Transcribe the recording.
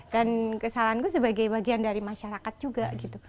dan kesalahanku sebagai bagian dari masyarakat juga